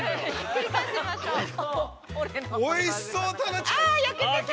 ◆おいしそう。